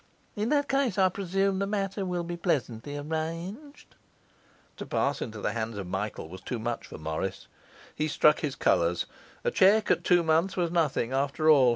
In that case, I presume, the matter will be pleasantly arranged.' To pass into the hands of Michael was too much for Morris. He struck his colours. A cheque at two months was nothing, after all.